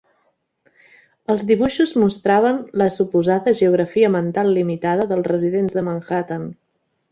Els dibuixos mostraven la suposada geografia mental limitada dels residents de Manhattan.